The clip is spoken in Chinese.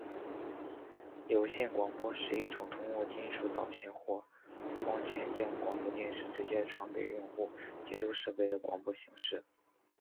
有线广播是一种通过金属导线或光纤将广播节目直接传送给用户接收设备的广播形式。